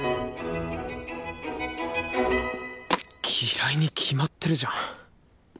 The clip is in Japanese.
嫌いに決まってるじゃん。